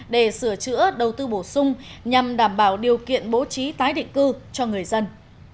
để sửa chữa đầu tư bổ sung nhằm đảm bảo điều kiện bố trí tái định cư cho người dân